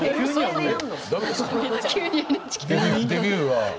デビューは。